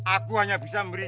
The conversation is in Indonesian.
aku hanya bisa memberi